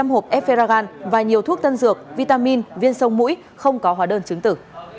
bảy trăm linh hộp eferagan và nhiều thuốc tân dược vitamin viên sông mũi không có hóa đơn chứng tử